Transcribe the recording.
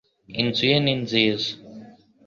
inzu ye ni nziza